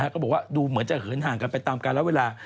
ก็บอกว่าดูเหมือนจะเหินห่างกันไปตามการรับเวลา